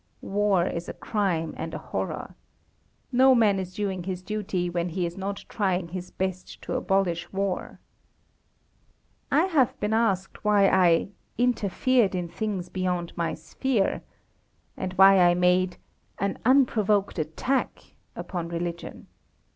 War is a crime and a horror. No man is doing his duty when he is not trying his best to abolish war. I have been asked why I "interfered in things beyond my sphere," and why I made "an unprovoked attack" upon religion.